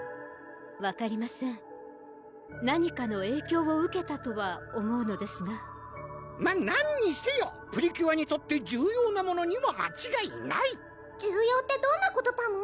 分かりません何かの影響を受けたとは思うのですがまぁ何にせよプリキュアにとって重要なものには間違いない「重要ってどんなことパム？」